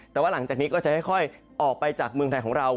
แต่ว่าหลังจากนี้ก็จะค่อยออกไปจากเมืองไทยของเรา